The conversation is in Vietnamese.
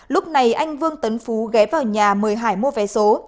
lúc này anh vương tấn phú ghé vào nhà mời hải mua vé số